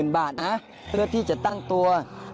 ๑๐๐๐๐บาทนะเผื่อที่จะตั้งตัว